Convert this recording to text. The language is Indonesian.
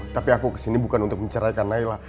tapi aku kesini bukan untuk menceraikan naila